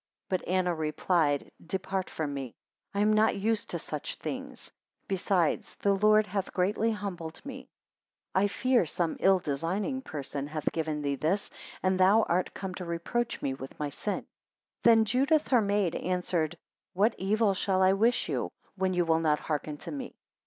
4 But Anna replied, Depart from me, I am not used to such things; besides, the Lord hath greatly humbled me. 5 I fear some ill designing person hath given thee this, and thou art come to reproach me with my sin. 6 Then Judith her maid answered, what evil shall I wish you, when you will not hearken to me?